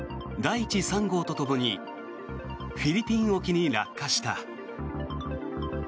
いち３号とともにフィリピン沖に落下した。